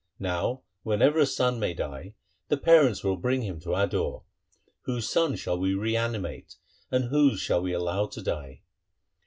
Now whenever a son may die, the parents will bring him to our door. Whose son shall we reanimate, and whose shall we allow to die